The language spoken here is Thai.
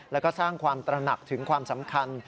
แล้วก็สร้างความตระหนักถึงความสำคัญ